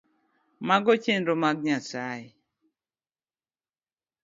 Mago chenro mag Nyasaye